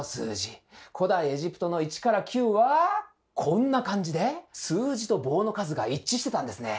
古代エジプトの１から９はこんな感じで数字と棒の数が一致してたんですね。